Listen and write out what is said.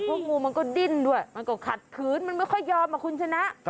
เพราะงูมันก็ดิ้นด้วยมันก็ขัดขืนมันไม่ค่อยยอมอ่ะคุณชนะ